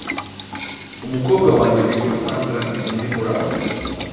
Umukobwa wanjye witwa Sandra ni umwe muri abo.